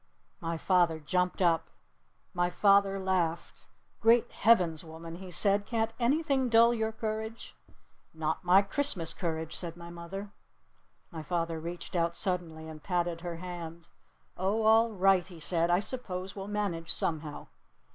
My father jumped up. My father laughed. "Great Heavens, woman!" he said. "Can't anything dull your courage?" "Not my Christmas courage!" said my mother. My father reached out suddenly and patted her hand. "Oh, all right," he said. "I suppose we'll manage somehow."